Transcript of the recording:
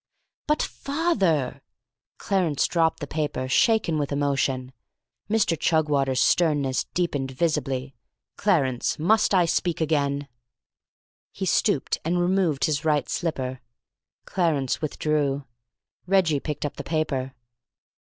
"But, father " Clarence dropped the paper, shaken with emotion. Mr. Chugwater's sternness deepened visibly. "Clarence! Must I speak again?" He stooped and removed his right slipper. Clarence withdrew. Reggie picked up the paper.